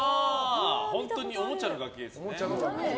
本当におもちゃの楽器ですね。